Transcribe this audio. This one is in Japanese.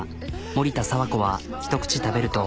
森田佐和子はひと口食べると。